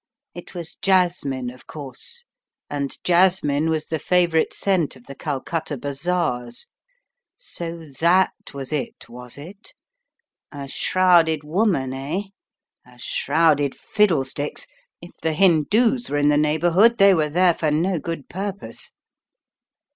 It was jasmine, of course, and jasmine was the favourite scent of the Calcutta bazaars. So that was it, was it? A shrouded woman, eh? A shrouded fiddlesticks! If the Hindoos were in the neighbourhood they were there for no good purpose.